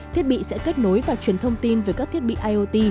thiết bị sẽ kết nối và truyền thông tin về các thiết bị iot